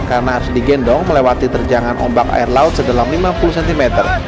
karena harus digendong melewati terjangan ombak air laut sedalam lima puluh cm